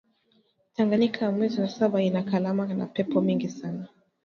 Tanganika mwezi wa saba inaikalaka na pepo mingi sana